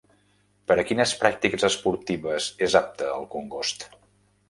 Per a quines pràctiques esportives és apte el congost?